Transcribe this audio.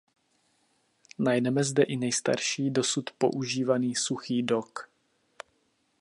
Najdeme zde i nejstarší dosud používaný suchý dok.